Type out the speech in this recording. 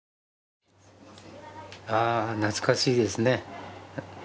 ああ、懐かしいですね。